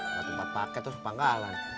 gak tumpah pake tuh sepanggalan